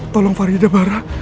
tolong farida barah